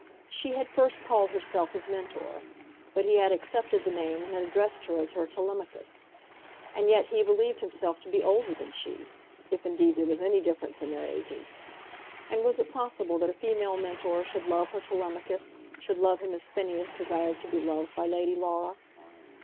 She had first called herself his Mentor; but he had accepted the name and had addressed her as her Telemachus. And yet he believed himself to be older than she, if, indeed, there was any difference in their ages. And was it possible that a female Mentor should love her Telemachus, should love him as Phineas desired to be loved by Lady Laura?